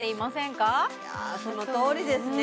いやそのとおりですね